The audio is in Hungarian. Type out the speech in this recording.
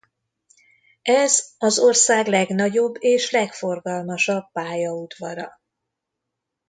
Ez az ország legnagyobb és legforgalmasabb pályaudvara.